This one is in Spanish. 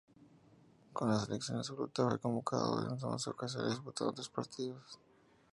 Con la selección absoluta fue convocado en once ocasiones, disputando tres partidos.